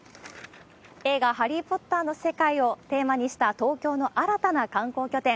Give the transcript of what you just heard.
映画、ハリー・ポッターの世界をテーマにした東京の新たな観光拠点。